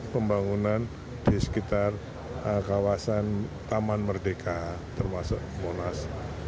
pembangunan di sekitar kawasan taman merdeka termasuk monas